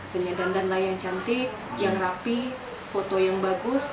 dan dandan layang cantik yang rapi foto yang bagus